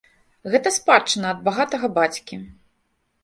Гэта спадчына ад багатага бацькі.